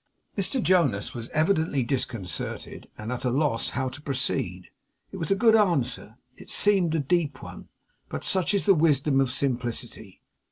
Mr Jonas was evidently disconcerted, and at a loss how to proceed. It was a good answer. It seemed a deep one, but such is the wisdom of simplicity!